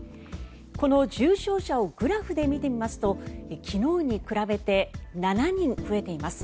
この重症者をグラフで見てみますと昨日に比べて７人増えています。